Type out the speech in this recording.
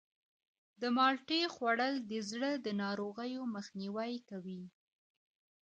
د مالټې خوړل د زړه د ناروغیو مخنیوی کوي.